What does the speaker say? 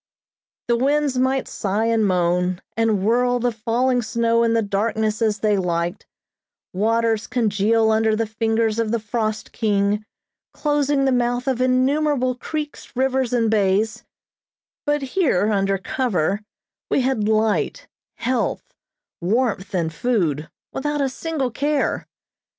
The winds might sigh and moan, and whirl the falling snow in the darkness as they liked; waters congeal under the fingers of the frost king, closing the mouth of innumerable creeks, rivers, and bays; but here under cover we had light, health, warmth and food, without a single care.